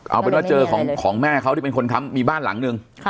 เอาเป็นว่าเจอของแม่เขาที่เป็นคนค้ำมีบ้านหลังนึง